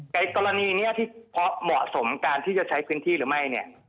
กรณีนี้ที่เพราะเหมาะสมการที่จะใช้พื้นที่หรือไม่เนี่ย